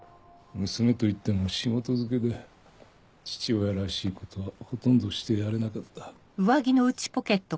娘といっても仕事漬けで父親らしいことはほとんどしてやれなかった。